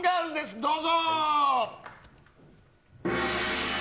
どうぞ。